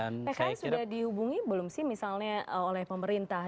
pks sudah dihubungi belum sih misalnya oleh pemerintah